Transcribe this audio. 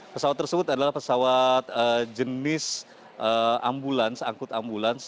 pesawat tersebut adalah pesawat jenis ambulans angkut ambulans